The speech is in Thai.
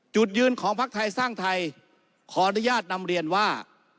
จุดยืนของพักไทยสร้างไทยขออนุญาตนำเรียนว่า